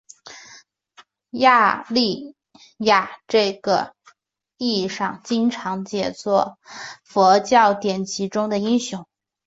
雅利亚在这个意义上经常解作佛教典籍中的英雄。